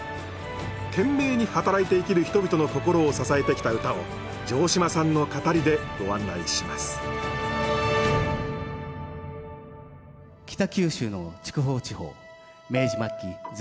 懸命に働いて生きる人々の心を支えてきた唄を城島さんの語りでご案内します「筑後酒造り唄」。